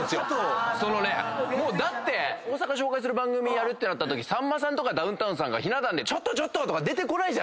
大阪紹介する番組やるってなったときさんまさんとかダウンタウンさんがひな壇で「ちょっと！」とか出てこない。